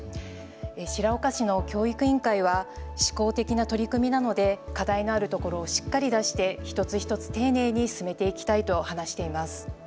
白岡市の教育委員会は試行的な取り組みなので課題のあるところをしっかり出して一つ一つ丁寧に進めていきたいと話しています。